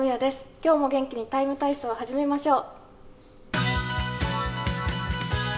今日も元気に「ＴＩＭＥ，体操」を始めましょう。